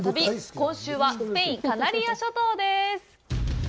今週はスペイン、カナリア諸島です！